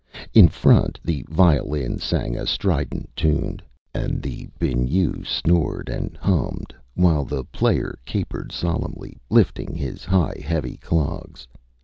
In front the violin sang a strident tune, and the biniou snored and hummed, while the player capered solemnly, lifting high his heavy clogs.